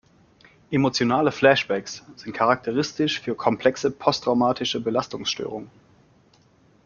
Emotionale Flashbacks sind charakteristisch für komplexe posttraumatische Belastungsstörungen.